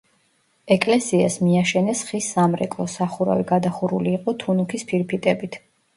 ეკლესიას მიაშენეს ხის სამრეკლო, სახურავი გადახურული იყო თუნუქის ფირფიტებით.